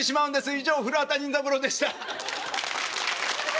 以上古畑任三郎でした。